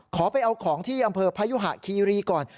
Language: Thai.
ขอไปเอาของที่อำเภอพยุหะคีรีก่อน